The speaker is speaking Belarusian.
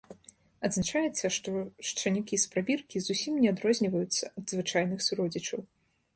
Адзначаецца, што шчанюкі з прабіркі зусім не адрозніваюцца ад звычайных суродзічаў.